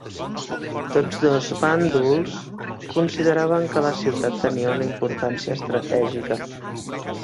Tots dos bàndols consideraven que la ciutat tenia una importància estratègica.